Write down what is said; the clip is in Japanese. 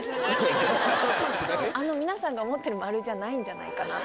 あの皆さんが思ってる丸じゃないんじゃないかなと思って。